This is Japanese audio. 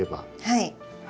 はい。